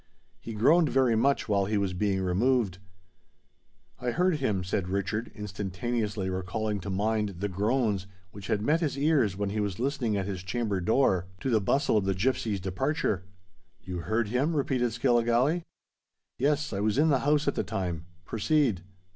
He groaned very much while he was being removed." "I heard him," said Richard, instantaneously recalling to mind the groans which had met his ears when he was listening at his chamber door to the bustle of the gipsies' departure. "You heard him?" repeated Skilligalee. "Yes—I was in the house at the time. Proceed."